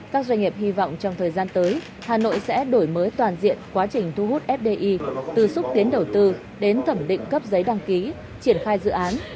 các doanh nghiệp hy vọng trong thời gian tới hà nội sẽ đổi mới toàn diện quá trình thu hút fdi từ xúc tiến đầu tư đến thẩm định cấp giấy đăng ký triển khai dự án